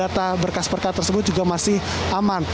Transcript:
dan juga data data berkas berkas tersebut juga masih aman